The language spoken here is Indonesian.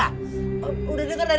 udah denger dari orang orang